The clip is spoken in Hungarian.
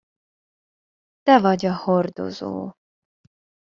Te vagy a hordozó.